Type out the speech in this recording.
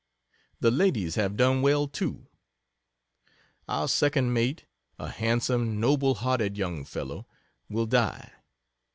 The ladies have done well, too. Our second Mate, a handsome, noble hearted young fellow, will die.